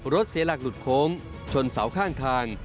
เสียหลักหลุดโค้งชนเสาข้างทาง